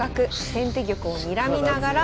先手玉をにらみながら。